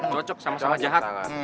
cocok sama sama jahat